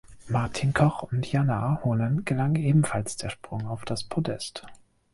Martin Koch und Janne Ahonen gelang ebenfalls der Sprung auf das Podest.